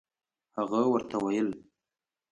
هغه ورته ویل.